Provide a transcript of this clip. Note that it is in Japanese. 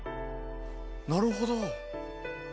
なるほど。